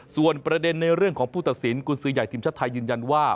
ส่วนประเด็นในเรื่องของผู้ตัดสินกุญสือใหญ่ทีมชาติไทยยืนยันว่า